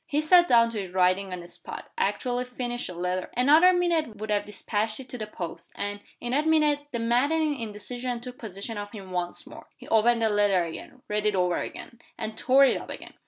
He sat down to his writing on the spot; actually finished the letter; another minute would have dispatched it to the post and, in that minute, the maddening indecision took possession of him once more. He opened the letter again, read it over again, and tore it up again.